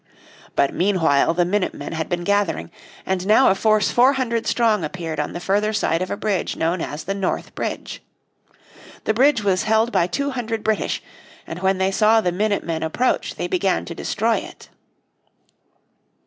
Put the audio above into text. But meanwhile the minute men had been gathering, and now a force four hundred strong appeared on the further side of a bridge known as the North Bridge. The bridge was held by two hundred British, and when they saw the minute men approach they began to destroy it.